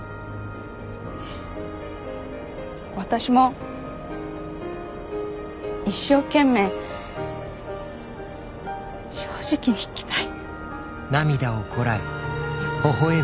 私も一生懸命正直に生きたい。